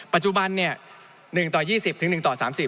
ปัจจุบัน๑ต่อ๒๐ถึง๑ต่อ๓๐